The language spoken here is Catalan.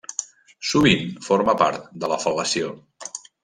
Sovint forma part de la fel·lació.